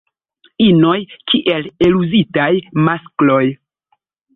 Inoj kiel eluzitaj maskloj.